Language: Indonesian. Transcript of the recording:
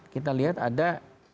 kita lihat ada